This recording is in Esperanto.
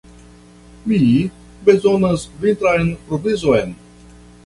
Mi bezonas vintran provizon.